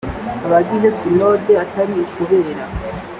abagize sinode atari ukubera